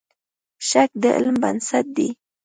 شک د علم بنسټ دی.